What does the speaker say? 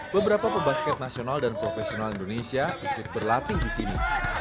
beberapa pembasket nasional dan profesional indonesia ikut berlatih di sini